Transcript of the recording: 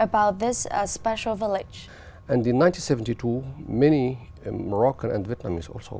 vậy có thể chia sẻ với chúng tôi thêm thêm về một quốc gia đặc biệt này không